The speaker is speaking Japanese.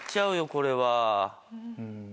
これは。